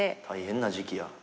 大変な時期や。